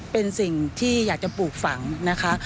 เป็นสิ่งที่อยากจะปลูกฝังนะคะ